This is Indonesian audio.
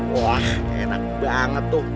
wah enak banget tuh